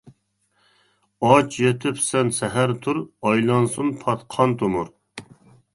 ئاچ يېتىپ سەن سەھەر تۇر، ئايلانسۇن پات قان تومۇر.